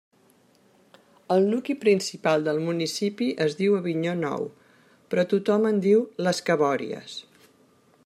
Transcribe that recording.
El nucli principal del municipi es diu Avinyó Nou, però tothom en diu Les Cabòries.